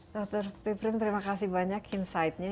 dr piprim terima kasih banyak insightnya